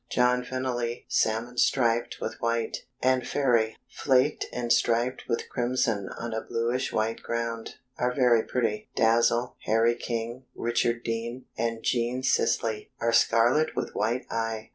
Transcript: John Fennely, salmon striped with white, and Fairy, flaked and striped with crimson on a bluish white ground, are very pretty. Dazzle, Harry King, Richard Dean, and Jean Sisley are scarlet with white eye.